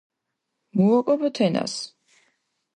მუ ოკო ბო თენას